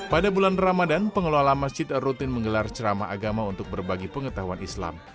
pada bulan ramadan pengelola masjid rutin menggelar ceramah agama untuk berbagi pengetahuan islam